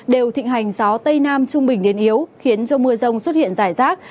đều thịnh hành gió tây nam trung bình đến yếu khiến cho mưa rông xuất hiện rải rác